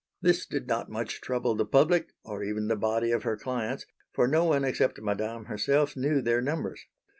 This did not much trouble the public, or even the body of her clients, for no one except Madame herself knew their numbers.